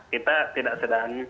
kita tidak sedang